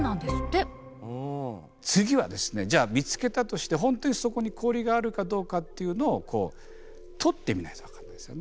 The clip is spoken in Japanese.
次はですねじゃあ見つけたとして本当にそこに氷があるかどうかっていうのを採ってみないと分からないですよね。